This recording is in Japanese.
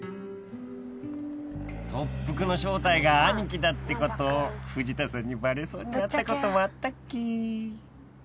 ［特服の正体がアニキだってこと藤田さんにバレそうになったこともあったっけ］